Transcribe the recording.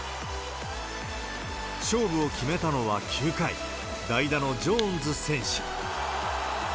勝負を決めたのは９回、代打のジョーンズ選手。